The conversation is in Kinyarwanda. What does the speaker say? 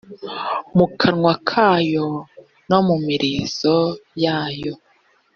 mu kanwa kayo no mu mirizo yayo